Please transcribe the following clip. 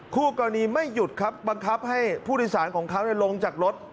คู่กรณีไม่หยุดครับบังคับให้ผู้โดยสารของเขาลงจากรถ